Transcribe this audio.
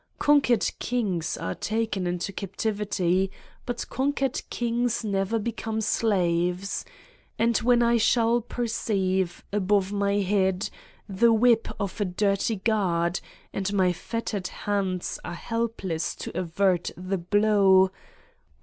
Conquered kings are taken into captivity but conquered kings never become slaves. And when I shall perceive, above my head, the whip of a dirty guard and my fet tered hands are helpless to avert the blow